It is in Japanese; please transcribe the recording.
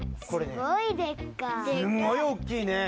すんごいおっきいね。